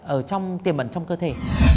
ở trong tiềm ẩn trong cơ thể